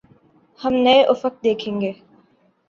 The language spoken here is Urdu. ہم نئے افق دیکھیں گے۔